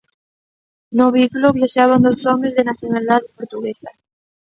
No vehículo viaxaban dous homes de nacionalidade portuguesa.